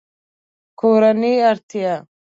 کورنۍ اړتیا